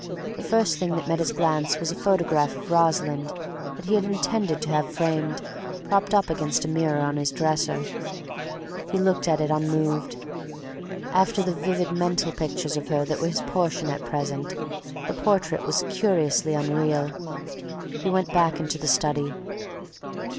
The first thing that met his glance was a photograph of Rosalind that he had intended to have framed, propped up against a mirror on his dresser. He looked at it unmoved. After the vivid mental pictures of her that were his portion at present, the portrait was curiously unreal. He went back into the study.